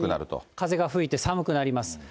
風が吹いて寒くなります。